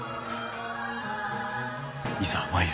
いざ参る。